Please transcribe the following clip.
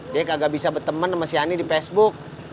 dia kagak bisa berteman sama si ani di facebook